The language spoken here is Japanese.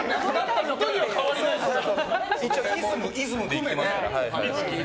一応イズムでいってますから。